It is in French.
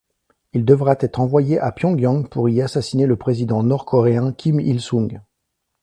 Il devra être envoyé à Pyongyang pour y assassiner le président nord-coréen Kim Il-sung.